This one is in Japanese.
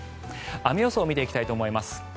雨予想を見ていきたいと思います。